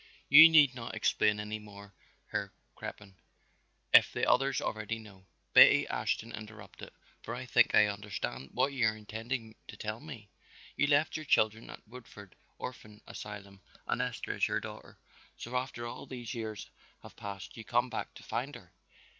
"You need not explain any more, Herr Crippen, if the others already know," Betty Ashton interrupted, "for I think I understand what you are intending to tell me. You left your children at our Woodford orphan asylum and Esther is your daughter, so after all these years have passed you come back to find her.